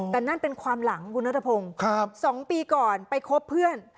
แต่นั่นเป็นความหลังคุณนัทพงศ์๒ปีก่อนไปคบเพื่อน